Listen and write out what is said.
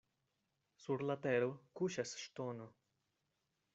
Sur la tero kuŝas ŝtono.